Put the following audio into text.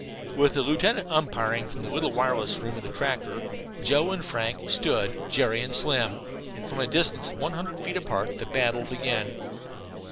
With the lieutenant "umpiring" from the little wireless room of the tractor, Joe and Frank "stood" Jerry and Slim, and from a distance of a hundred feet apart the battle began.